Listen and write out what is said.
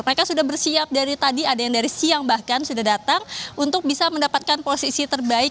mereka sudah bersiap dari tadi ada yang dari siang bahkan sudah datang untuk bisa mendapatkan posisi terbaik